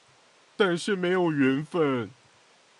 但是沒有緣分